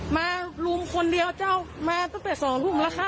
มาลุงคนเดียวเจ้ามาตั้งแต่สองทุ่มแล้วค่ะ